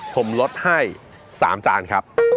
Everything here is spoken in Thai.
ผมลดให้๓จานครับ